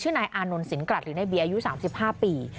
ชื่อนายอานนลสินกรัฐหรือในบีอายุ๓๕ปี